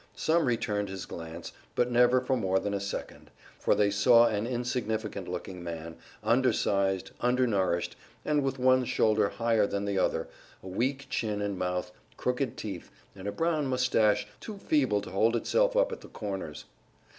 Some returned his glance, but never for more than a second, for they saw an insignificant looking man, undersized, undernourished, and with one shoulder higher than the other, a weak chin and mouth, crooked teeth, and a brown moustache too feeble to hold itself up at the corners.